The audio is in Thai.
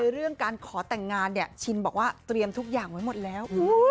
เรื่องการขอแต่งงานเนี่ยชินบอกว่าเตรียมทุกอย่างไว้หมดแล้ว